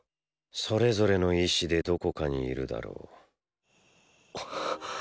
それぞれの意志でどこかにいるだろう。っ。